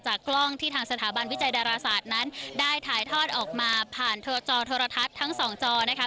กล้องที่ทางสถาบันวิจัยดาราศาสตร์นั้นได้ถ่ายทอดออกมาผ่านโทรจอโทรทัศน์ทั้งสองจอนะคะ